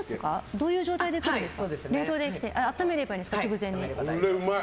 どういう状態で来るんですか？